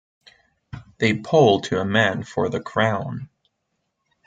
They poll to a man for the Crown.